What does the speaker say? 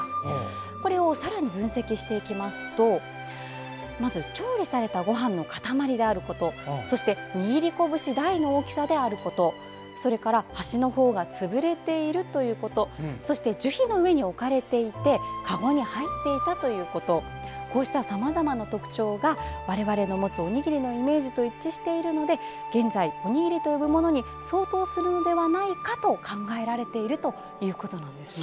これをさらに分析していくとまず調理されたごはんの塊であること握りこぶしの大きさであることそれから端の方が潰れていることそして樹皮の上に置かれていてかごに入っていたということこうしたさまざまな特徴が我々の持つおにぎりのイメージと一致しているので現在おにぎりと呼ぶものに相当するのではないかと考えられているということなんですね。